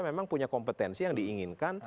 memang punya kompetensi yang diinginkan